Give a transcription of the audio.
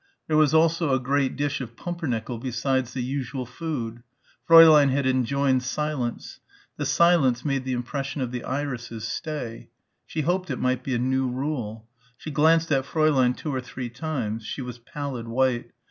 There was also a great dish of pumpernickel besides the usual food. Fräulein had enjoined silence. The silence made the impression of the irises stay. She hoped it might be a new rule. She glanced at Fräulein two or three times. She was pallid white.